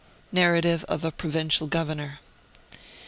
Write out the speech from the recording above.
NARRATIVE OF A PROVINCIAL GOVERNOR.